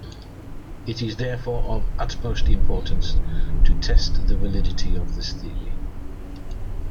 It is therefore of utmost importance to test the validity of this theory.